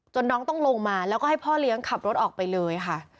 น้องต้องลงมาแล้วก็ให้พ่อเลี้ยงขับรถออกไปเลยค่ะ